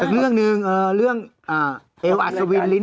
อีกเรื่องหนึ่งเรื่องเอวอัศวินลิ้น